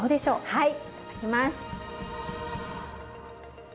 はいいただきます。